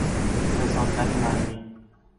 رساندن معنی